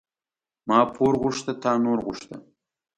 ما پور غوښته تا نور غوښته.